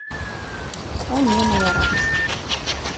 О не, мая радасць!